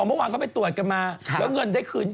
เมื่อวานเขาไปตรวจกันมาแล้วเงินได้คืน